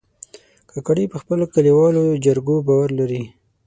کاکړي په خپلو کلیوالو جرګو باور لري.